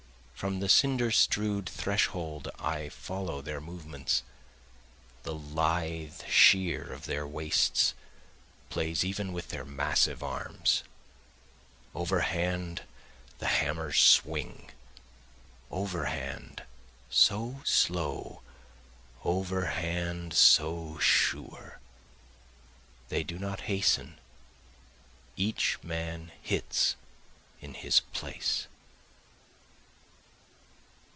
From the cinder strew'd threshold I follow their movements, The lithe sheer of their waists plays even with their massive arms, Overhand the hammers swing, overhand so slow, overhand so sure, They do not hasten, each man hits in his place.